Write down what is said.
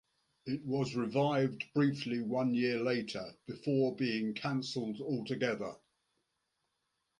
It was revived briefly one year later, before being cancelled altogether.